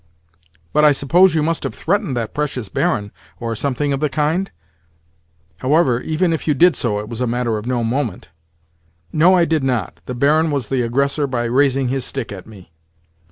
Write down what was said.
"But I suppose you must have threatened that precious Baron, or something of the kind? However, even if you did so, it was a matter of no moment." "No, I did not. The Baron was the aggressor by raising his stick at me."